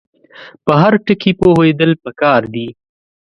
په هر ټکي پوهېدل پکار دي.